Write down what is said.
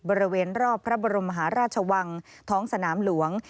บริเวณรอบพระบรมมหาราชวังท้องสนามหลวง